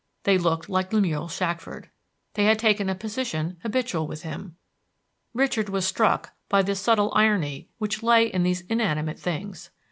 They looked like Lemuel Shackford. They had taken a position habitual with him. Richard was struck by the subtile irony which lay in these inanimate things.